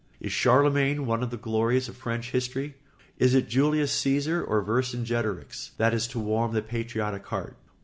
Is Charlemagne one of the glories of French history? Is it Julius Cæsar or Vicingetorix that is to warm the patriotic heart?